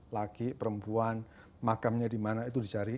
laki perempuan makamnya dimana itu dicari